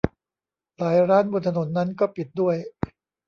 หลายร้านบนถนนนั้นก็ปิดด้วย